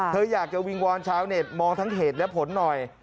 เธออยากจะวิงวอนชาวเน็ตมองทั้งเหตุและผลหน่อย